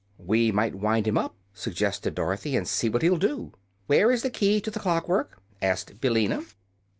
"We might wind him up," suggested Dorothy, "and see what he'll do." "Where is the key to the clock work?" asked Billina.